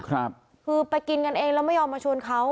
คือไปกินกันเองแล้วไม่ยอมมาชวนเขา